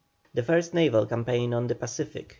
THE FIRST NAVAL CAMPAIGN ON THE PACIFIC.